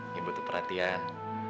yang butuh perhatian